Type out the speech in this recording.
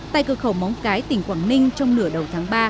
tại cửa khẩu móng cái tỉnh quảng ninh trong nửa đầu tháng ba